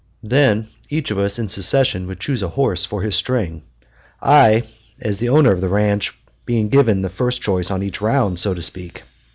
Then each of us in succession would choose a horse (for his string), I as owner of the ranch being given the first choice on each round, so to speak.